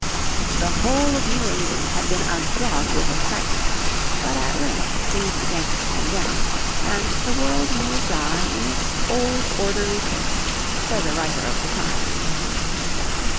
The whole of New England had been agog with excitement, but at length things began to calm down, and "the world moved on in its old orderly pace," says a writer of the times.